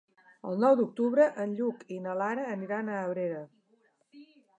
El nou d'octubre en Lluc i na Lara aniran a Abrera.